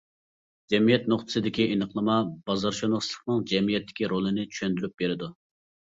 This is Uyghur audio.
جەمئىيەت نۇقتىسىدىكى ئېنىقلىما بازارشۇناسلىقنىڭ جەمئىيەتتىكى رولىنى چۈشەندۈرۈپ بېرىدۇ.